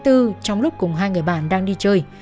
trong lúc cùng hai người bạn đang đi chơi